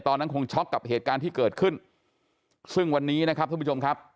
ตอนนั้นคงช็อกกับเหตุการณ์ที่เกิดขึ้นซึ่งวันนี้นะครับท่านผู้ชมครับ